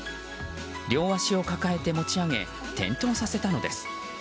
両足を抱えて持ち上げ転倒させたのです。